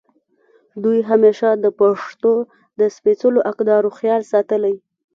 دوي همېشه د پښتو د سپېځلو اقدارو خيال ساتلے